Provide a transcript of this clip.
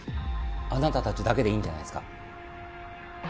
あなたたちだけでいいんじゃないですか？